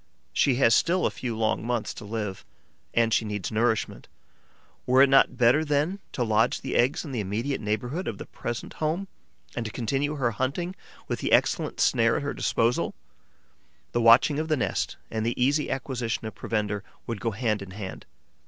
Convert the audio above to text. She has still a few long months to live and she needs nourishment. Were it not better, then, to lodge the eggs in the immediate neighbourhood of the present home and to continue her hunting with the excellent snare at her disposal? The watching of the nest and the easy acquisition of provender would go hand in hand.